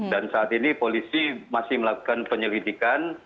dan saat ini polisi masih melakukan penyelidikan